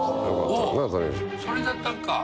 それだったのか。